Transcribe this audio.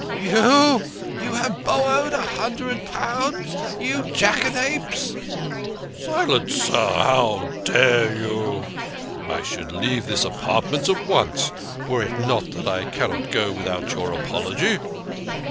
" You ! You have borrowed a hundred pounds, you you jackanapes !"" Silence, sir ! How dare you ? I should leave this apartment at once, were it not that I cannot go without your apology.